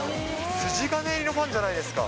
筋金入りのファンじゃないですか。